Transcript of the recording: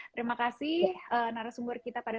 terima kasih narasumber kita pada